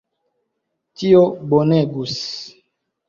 Tio bonegus!